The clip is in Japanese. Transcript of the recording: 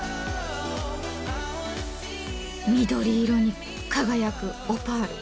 緑色に輝くオパール。